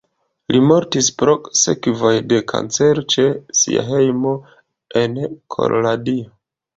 Li mortis pro sekvoj de kancero ĉe sia hejmo en Koloradio.